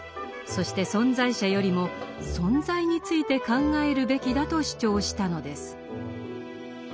そして「存在者」よりも「存在」について考えるべきだと主張したのです。